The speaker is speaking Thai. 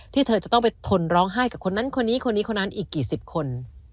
เธอจะต้องไปทนร้องไห้กับคนนั้นคนนี้คนนี้คนนั้นอีกกี่สิบคน